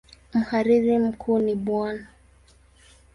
Mhariri mkuu ni Bw.